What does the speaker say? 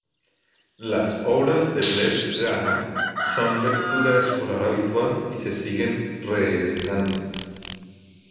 Las obras de Blest Gana son lectura escolar habitual y se siguen reeditando.